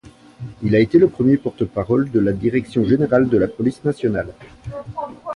Il a été le premier porte-parole de la Direction générale de la Police nationale.